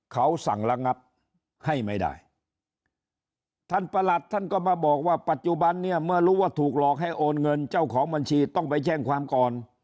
เขาสั่งระงับให้ไม่ได้ท่านประหลัดท่านก็มาบอกว่าปัจจุบันเนี่ยเมื่อรู้ว่าถูกหลอกให้โอนเงินเจ้าของบัญชีต้องไปแจ้งความก่อน